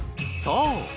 そう！